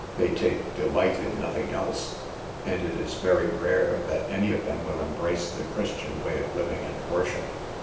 They take delight in nothing else, and it is very rare that any of them will embrace the Christian way of living and worship.